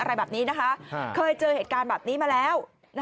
อะไรแบบนี้นะคะเคยเจอเหตุการณ์แบบนี้มาแล้ว